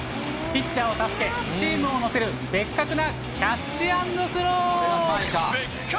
ピッチャーを助け、チームを乗せるベッカクなキャッチ＆スロー。